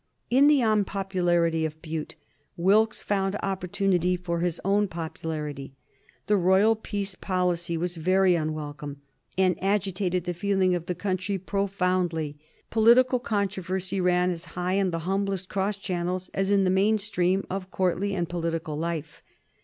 In the unpopularity of Bute, Wilkes found opportunity for his own popularity. The royal peace policy was very unwelcome, and agitated the feeling of the country profoundly. Political controversy ran as high in the humblest cross channels as in the main stream of courtly and political life.